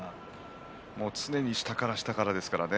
常に下から下からですからね。